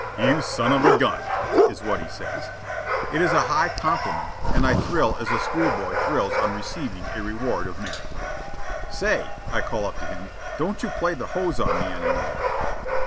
"You son of a gun," is what he says. It is a high compliment, and I thrill as a schoolboy thrills on receiving a reward of merit. "Say," I call up to him, "don't you play the hose on me any more."